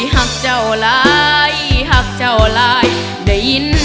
หักเจ้าหลายหักเจ้าหลายได้ยิน